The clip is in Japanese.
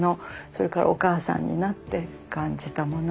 それからお母さんになって感じたもの。